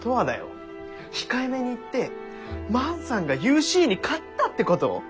控えめに言って万さんがユーシーに勝ったってこと？